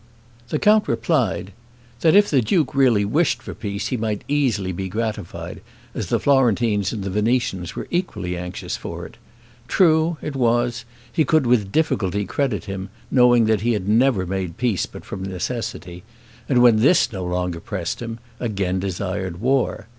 The count replied, "That if the duke really wished for peace, he might easily be gratified, as the Florentines and the Venetians were equally anxious for it. True, it was, he could with difficulty credit him, knowing that he had never made peace but from necessity, and when this no longer pressed him, again desired war.